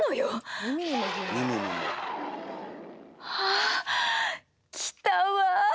・あ来たわ！